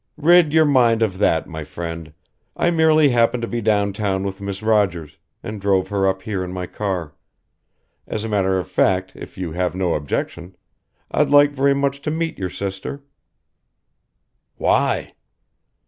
"Rid your mind of that, my friend. I merely happened to be downtown with Miss Rogers and drove her up here in my car. As a matter of fact, if you have no objection, I'd like very much to meet your sister." "Why?"